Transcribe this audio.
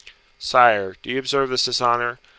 "Sire, do you observe this dishonour!